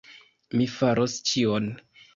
Mi faros ĉion!